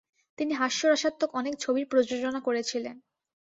তিনি হাস্যরসাত্মক অনেক ছবির প্রযোজনা করেছিলেন।